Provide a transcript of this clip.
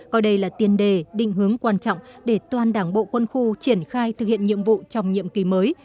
coi đây là tiền đề định hướng quan trọng để toàn đảng bộ quân khu triển khai thực hiện nhiệm vụ trong nhiệm kỳ mới